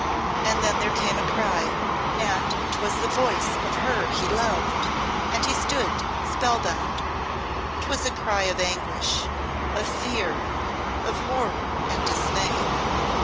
And then there came a cry and 'twas the voice of her he loved and he stood spellbound. 'Twas a cry of anguish of fear of horror and dismay.